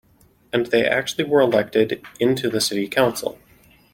And they actually were elected into the city council.